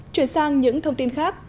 chuyển sang những thông tin khác